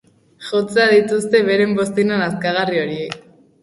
Jotzea dituzte beren bozina nazkagarri horiek.